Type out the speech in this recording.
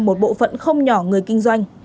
một bộ phận không nhỏ người kinh doanh